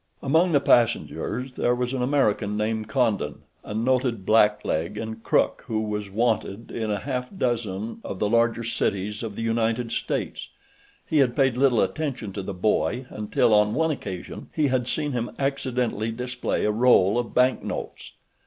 Among the passengers there was an American named Condon, a noted blackleg and crook who was "wanted" in a half dozen of the larger cities of the United States. He had paid little attention to the boy until on one occasion he had seen him accidentally display a roll of bank notes.